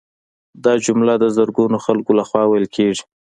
دا جمله د زرګونو خلکو لخوا ویل کیږي